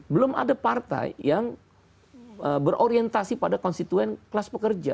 belum ada partai yang berorientasi pada konstituen kelas pekerja